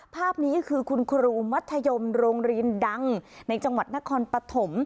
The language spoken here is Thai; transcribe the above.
ภาพนี้คือคุณครูมัธยมโรงเรียนดังในจังหวัดนครปฐม